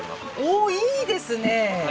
おういいですね。